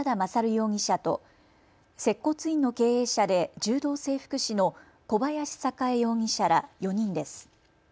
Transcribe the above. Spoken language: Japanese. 容疑者と接骨院の経営者で柔道整復師の小林栄容疑者ら４人です。